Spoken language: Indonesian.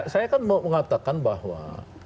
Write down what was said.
saya kan mengatakan bahwa